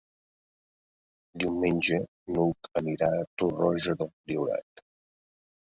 Diumenge n'Hug anirà a Torroja del Priorat.